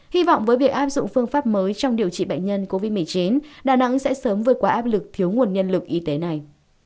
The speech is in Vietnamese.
hy vọng với việc áp dụng phương pháp mới trong điều trị bệnh nhân covid một mươi chín đà nẵng sẽ sớm vượt qua áp lực thiếu nguồn nhân lực y tế này